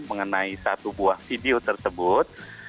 mengenai satu buah video tersebut